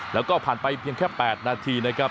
แล้วก็ผ่านไปเพียงแค่๘นาทีนะครับ